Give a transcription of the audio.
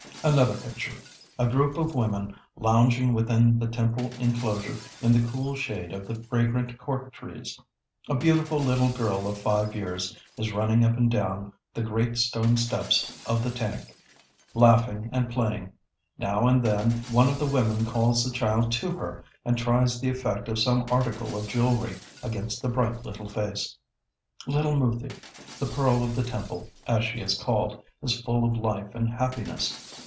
] Another picture. A group of women lounging within the temple enclosure in the cool shade of the fragrant cork trees. A beautiful little girl of five years is running up and down the great stone steps of the tank, laughing and playing. Now and then one of the women calls the child to her and tries the effect of some article of jewelry against the bright little face. Little Moothi, the Pearl of the Temple, as she is called, is full of life and happiness.